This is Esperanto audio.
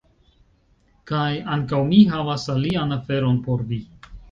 Kaj... ankaŭ mi havas alian aferon por vi